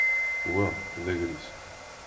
Wa d agris.